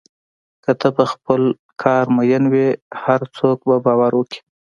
که ته په خپل کار مین وې، هر څوک به باور وکړي.